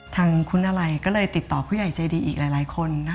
ทางคุณอะไรก็เลยติดต่อผู้ใหญ่ใจดีอีกหลายคน